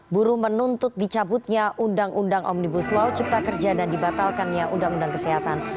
buruh menuntut dicabutnya undang undang omnibus law cipta kerja dan dibatalkannya undang undang kesehatan